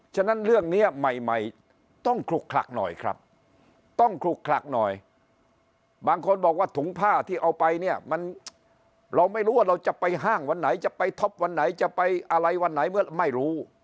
ฉะนั้นเรื่องนี้ใหม่ต้องคลุกคลักหน่อยครับต้องขลุกคลักหน่อยบางคนบอกว่าถุงผ้าที่เอาไปเนี่ยมันเราไม่รู้ว่าเราจะไปห้างวันไหนจะไปท็อปวันไหนจะไปอะไรวันไหนเมื่อไม่รู้